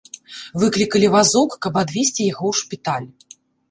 Выклікалі вазок, каб адвезці яго ў шпіталь.